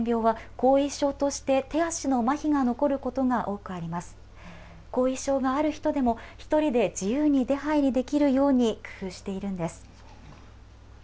後遺症がある人でも、１人で自由に出はいりできるように、工夫しているんです。